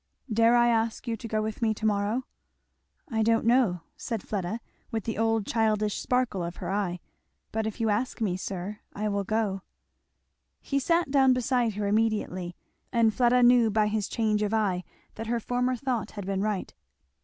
"Dare I ask you to go with me to morrow?" "I don't know," said Fleda with the old childish sparkle of her eye, "but if you ask me, sir, I will go." He sat down beside her immediately, and Fleda knew by his change of eye that her former thought had been right.